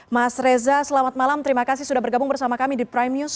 mas reza selamat malam terima kasih sudah bergabung bersama kami di prime news